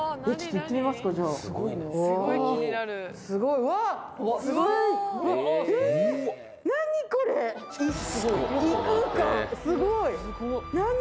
すごい何？